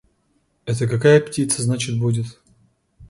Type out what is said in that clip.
Это какая птица, значит, будет?